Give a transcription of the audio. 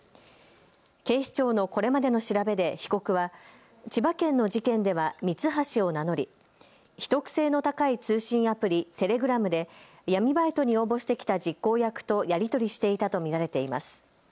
警視庁のこれまでの調べで被告は千葉県の事件ではミツハシを名乗り秘匿性の高い通信アプリ、テレグラムで闇バイトに応募してきた実行役とやり取りしていたと見られています。